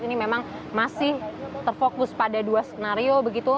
ini memang masih terfokus pada dua senario